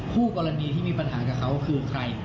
คู่กรณีที่มีปัญหากับเขาคือใคร